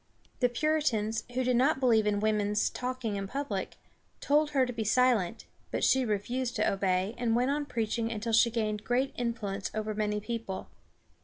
The Puritans, who did not believe in women's talking in public, told her to be silent; but she refused to obey, and went on preaching until she gained great influence over many people.